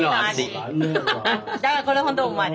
だからこれほんとうまい。